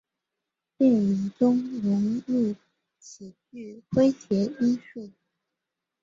电影中融入喜剧诙谐因素。